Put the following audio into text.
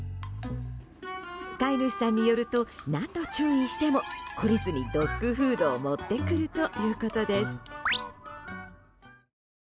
飼い主さんによると何度注意しても懲りずにドッグフードを持ってくるということです。